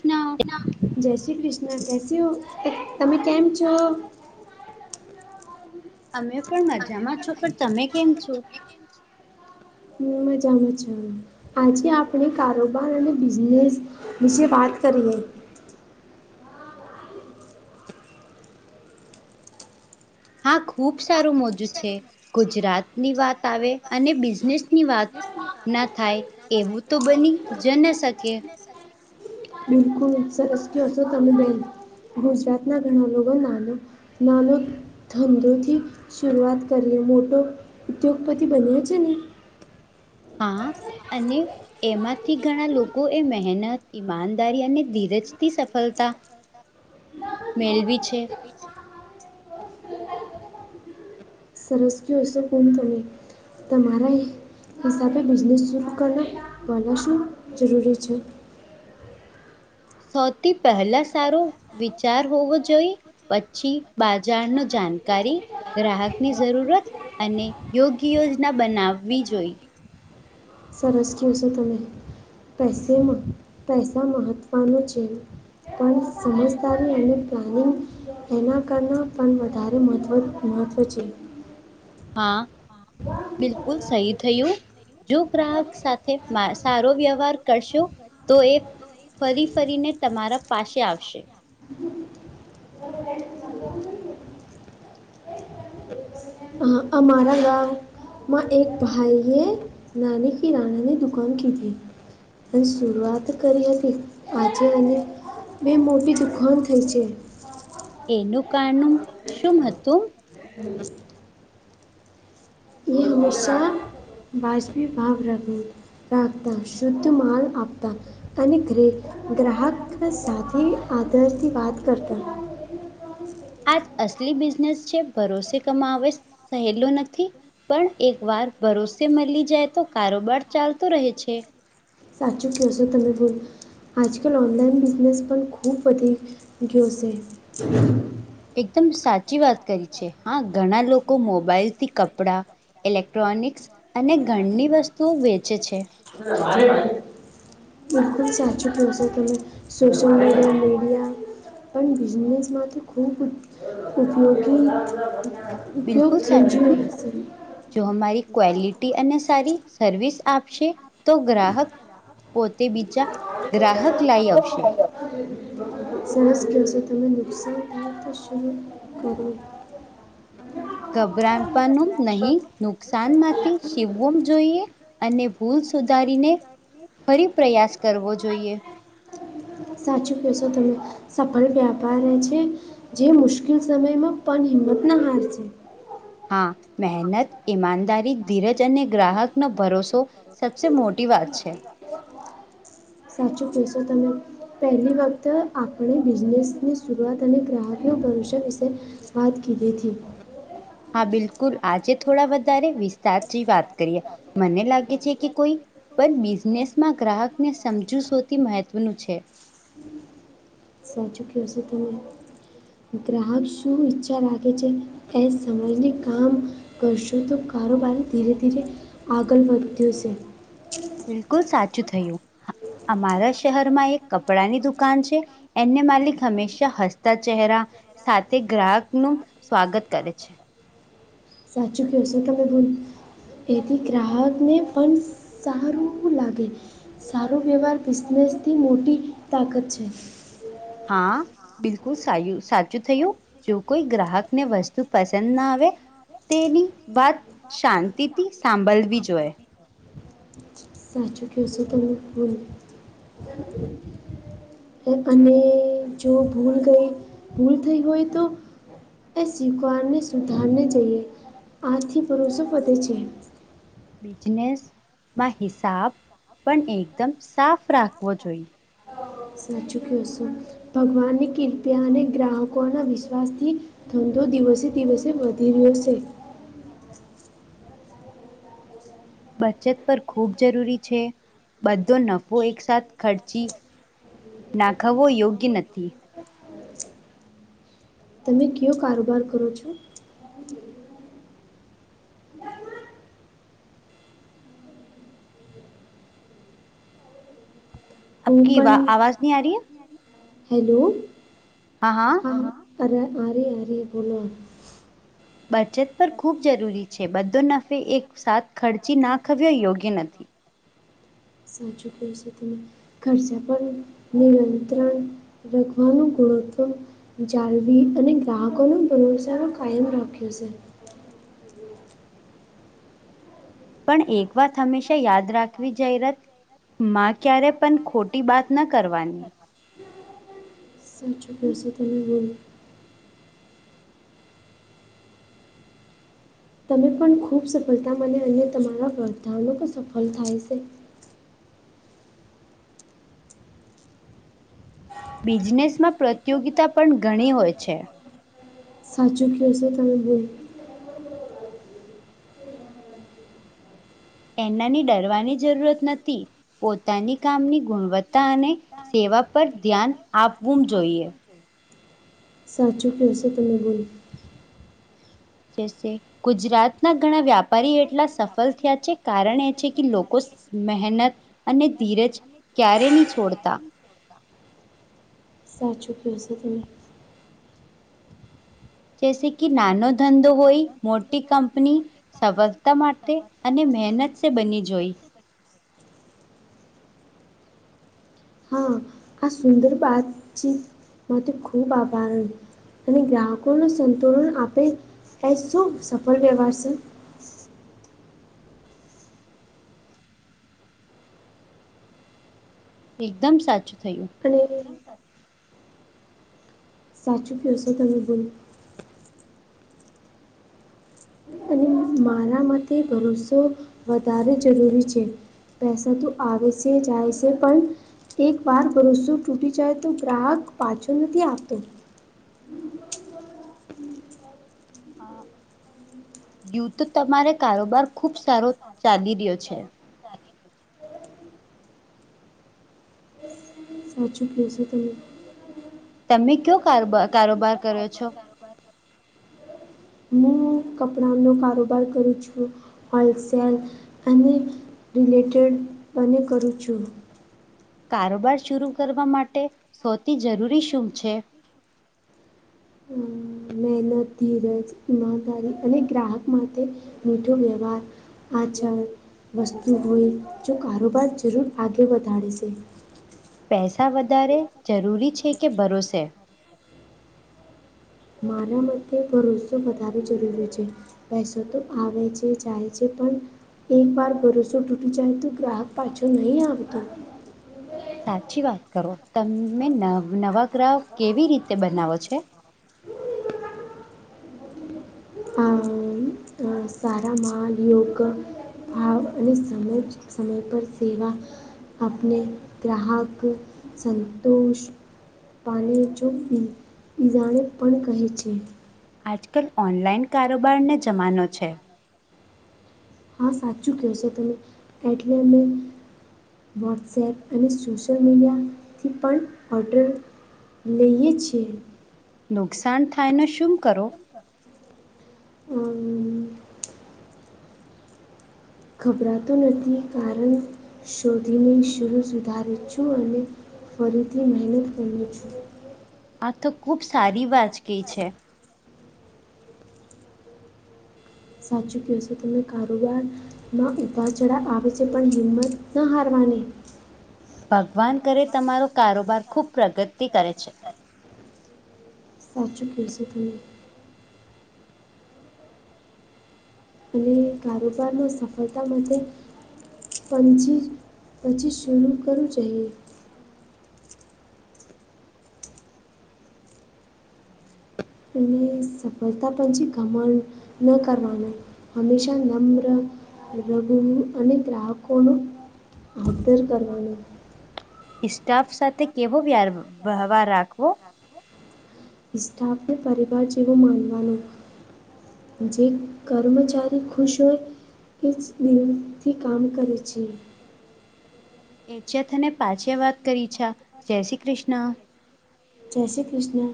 કૃષ્ણ જય શ્રી કૃષ્ણ, તમે કેમ છો. અમે પણ મજામાં છો, પણ તમે કેમ છો. હું મજામાં છું, આજે આપણે કારોબાર અને બિઝનેસ વિશે વાત કરીએ, હા ખૂબ સારું મોજું છે, ગુજરાતની વાત આવે અને બિઝનેસની વાત ના થાય એવું તો બની જ ન શકે, [inaudible] બિલકુલ સરસ ગુજરાતના ઘણા લોકો નાના [unintelligible] ધંધોથી શરૂઆત કરીએ મોટો ઉદ્યોગપતિ બન્યો છે, ને હા, અને એમાંથી ઘણા લોકોએ મહેનત ઈમાનદારી અને ધીરજથી સફળતાં, [inaudible] મેળવી છે. [unintelligible] તમારા હિસાબે બિઝનેસ શરૂ કરવા વાળું શું જરૂરી છે. સૌથી પહેલા સારો વિચાર હોવો જોઈએ, પછી બાજારની જાણકારી ગ્રાહકની જરૂરત, અને યોગ્ય યોજના બનાવવી જોઈએ. સરસ કહ્યું છો, તમે માં પૈસા મહત્વનો છે. પણ સમજદારી એને પ્લાનિંગ, એના કરના પણ વધારે મહત્વ છે. હા, બિલકુલ સહી થયું, જો ગ્રાહક સાથે સારો વ્યવહાર કરશો તો એ, ફરી ફરીને તમારા પાસે આવશે, હા અમારા ગામ માં એક ભાઈ હે નાની કી નાની દુકાન કીધી. અને શરૂઆત કરીએ તી, આજે અને બે મોટી દુકાન થઈ છે. એનું [unintelligible] શું હતું. [inaudible] એ હંમેશા વાજબી ભાવ [unintelligible] રાખતા શુદ્ધ માલ આપતાં અને ગ્રે ગ્રાહક સાથે આધારથી વાત કરતા આજ અસલી બિઝનેસ છે, ભરોસે કમાવે સહેલો નથી. પણ એકવાર ભરોસે મળી જાય તો કારોબાર ચાલતો રહે છે. સાચું કહશો તમે બોન આજકાલ ઓનલાઈન બિઝનેસ પણ ખૂબ વધી ગયો છે. એકદમ સાચી વાત કરી છે, હા ઘણા લોકો મોબાઈલથી કપડાં, ઇલેક્ટ્રોનિક્સ અને ઘરની વસ્તુઓ વેચે છે. [unintelligible] [inaudible] બિલકુલ સાચું કવશો તમે સોશ્યલમીડિયા, પણ બિઝનેસમાંથી ખૂબ ઉપયોગી ઉપયોગ, બિલકુલ થઈ સાચું જવો થયું જોઈએ. જો, અમારી ક્વોલિટી, અને સારી સર્વિસ આપશે. તો ગ્રાહક પોતે, બીજા ગ્રાહક લઈ આવશે. [inaudible] [inaudible] સરસ કશે તમેને નુકસાન શરૂ કરો- ગભરાપનું નહી, નુકસાન માંથી શીખવો જોઈએ અને ભૂલ- -સુધારીને, ફરી પ્રયાસ કરવો જોઈએ. સાચું કહેશો તમે, સફળ વ્યાપાર એ છે- -જે મુશ્કેલ સમયમાં પણ, હિંમતના હારે છે- હા, મહેનત, ઈમાનદારી, ધીરજ અને ગ્રાહકનો ભરોસો- -સબસે મોટી વાત છે. સાચું કેશો, તમે- પહેલી વખત આપણે બિઝનેસની શરૂઆત, અને ગ્રાહકનું ભવિષ્ય વિશે- વાત કીધીતી, હા, બિલકુલ, આજે થોડા વધારે વિસ્તારથી વાત કરીએ. મને લાગે છે કે કોઈ- -પણ બિઝનેસમાં, ગ્રાહકને સમજવું સૌથી મહત્ત્વનું છે. સાચું કો છો તમે, ગ્રાહક શું ઈચ્છા રાખે છે? સમાજીને કામ કરશો, તો, કારોબારી ધીરે ધીરે- -આગળ વધ્યો છે- બિલકુલ સાચું થયું. અમારા શહેરમાં એક કપડા ની દુકાન છે, એને માલિક હંમેશા હસ્તા- -તા ચેહેરા સાથે, ગ્રાહક નું સ્વાગત કરે છે. સાચું કહેશો કે [unintelligible] એથી ગ્રાહકને સારું લાગે. સારો વ્યવહાર, બિઝનેસની મોટી તાકત છે. હા, બિલકુલ સાચું થયું. જો, કોઈ ગ્રાહક ને, વસ્તુ પસંદ ના આવે- -તેની વાત શાંતિથી સાંભળવી જોઈએ. સાચું કહો છો, તમે- - [inaudible] અને જો, ભૂલ ગઈ ભૂલ થઈ હોય, તો- એ શીખવાને, સુધારને જઈએ આથી પરુષો પતેે છે- બિઝનેસમાં, હિસાબ પણ એકદમ સાફ રાખવો જોઈએ- સાચું ક છું, ભગવાનની કૃપા ને ગ્રાહકો ના વિશ્વાસ થી- ધંધો દિવસે દિવસે વધી રહ્યો છે. બચત પર ખૂબ જરૂરી છે, બધો નફો એકસાથ ખર્ચી- -નાખવવો યોગ્ય નથી. તમે, કેવો કારોબાર કરો છો? હું આપકી વા પણ, નહીં આ રહી હેલો- હા, હા. હા હા અરે આયી આરી બોલો બચત પર ખૂબ જરૂરી છે બધો નફો એક સાથ ખર્ચી નાખવ્યો યોગ્ય નથી સાચું કયો છો તમે ખર્ચા પર પણ નિયંત્રણ રખવાનું ગુણત્વ જાળવી અને ગ્રાહકોનો ભરોસો કાયમ રાખીસુ છે પણ એક વાત હંમેશા યાદ રાખવી જાહેરાત માં ક્યારે પણ ખોટી બાત ન કરવાની સાચું કહો સો તમે બોલો તમે પણ ખૂબ સફળતા મળે તમારા બધાનો પણ સફળ થાય છે બિઝનેસમાં પ્રતિયોગિતા પણ ઘણી હોય છે સાચું કયો હશે તમે [unintelligible] એનાની ડરવાની જરૂરત નથી પોતાની કામની ગુણવત્તા અને સેવા પર ધ્યાન આપવું જોઈએ, સાચું કયો છો તમે બોન, ગુજરાતના ઘણા વ્યાપારી એટલા સફળ થયા છે કારણ એ છે કે લોકો મહેનત અને ધીરજ ક્યારે નહી છોડતા, [inaudible] જૈસે કે નાનો ધંધો હોય, મોટી કંપની સફળતા માટે અને મહેનત શે, બની જોઈ આ સુંદર બાત છે [unintelligible] અને ગ્રાહકોને સંતુલન આપે એ, શું સફળ વ્યવહાર છે. એકદમ સાચું કહ્યું. અને સાચું કયો છો તમે બોન, અને મારા મતે ભરોસો વધારે જરૂરી છે. પૈસા તો આવે છે, જાય છે પણ એક વાર ભરોસો તૂટી જાય તો, ગ્રાહક પાછો નથી આવતો. યુ તો તમારે કારોબાર ખુબ સારો ચાલી રહ્યો છે. સાચું કયો છો તમે, તમે કયો કારોબ કારોબાર કરો છો. હું કપડાનો કારોબાર કરું છું, હોલસેલ અને રિટેેલ બને કરું છું. કારોબાર શરૂ કરવા માટે સૌથી જરૂરી શું છે. હમ. મહેનત, ધીરજ, ઈમાનદારી અને ગ્રાહક માટે મીઠો વ્યવહાર, [inaudible] હોય જો કારોબાર જરૂર આગળ વધારે છે. પૈસા વધારે જરૂરી છે કે ભરોસે, મારા મતે ભરોસો વધારે જરૂરી છે. પૈસો તો આવે છે, જાય છે, પણ એક વાર ભરોસો તૂટી જાય તો ગ્રાહક પાછો નહીં આવતો. સાચી વાત કરો તમે નવ નવા ગ્રાહક કેવી રીતે બનાવો છે. આ સારા માન, યોગ ભાવ અને સમય સમય પર સેવા, આપણે ગ્રાહક સંંતુષ્ટ [inaudible] આજકાલ ઓનલાઈન કારોબારને જમાનો છે. હા સાચું કહેશો તમે એટલે અમે. વોટ્સએપ અને સોશિયલ મીડિયાથી પણ ઓર્ડર. લઈએ છીએ. નુકસાન થાય ને શું કરો [inaudible] ગભરાતું નથી, કારણ શોધીને શરૂ સુધારી છું અને. ફરીથી મહેનત કરું છું. આ તો ખુબ સારી વાત કઈ છે. સાચુ કયો છો તમે કારોબાર માં ઉભા ચઢ આવે છે પણ હિંમત ન હારવાની. ભગવાન કરે તમારો કારોબાર ખુબ પ્રગતિ કરે છે. [inaudible] હાચુ કેયો છો તમે? અને કારોબારનો સફળતા માટે પંછી પછી શુરુ કરવું જોએ. અને સફળતા પછી ઘમણ ન કરવાનો. હંમેશા નમ્ર, રઘુ અને ગ્રાહકોનું આદર કરવાનું. સ્ટાફ સાથે કેવો વ્યવ-વ્યવહાર રાખવો? સ્ટાફને પરીવાર જેવો માનવાનું. જે કર્મચારી ખુશ હોય તોજ એજ દિલથી કામ કરે છે. એ છે તને પાછે વાત કરી છા. જય શ્રી કૃષ્ણ. જય શ્રી કૃષ્ણ.